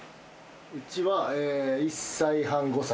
うちは１歳半・５歳。